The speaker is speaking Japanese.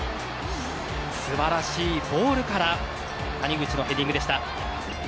素晴らしいボールから谷口のヘディングでした。